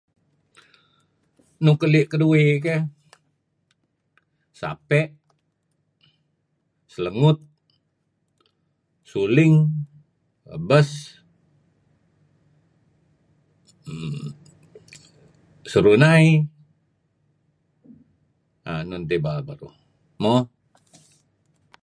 Nuk keli' keduih keyh ,sapey,' selengut' suling, ebes, mmm... serunai, err... enun tibal beruh... mo.